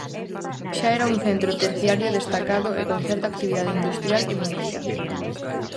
Xa era un centro terciario destacado e con certa actividade industrial e mineira.